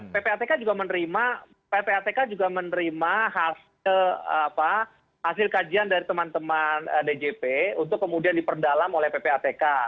ppatk juga menerima hasil kajian dari teman teman djp untuk kemudian diperdalam oleh ppatk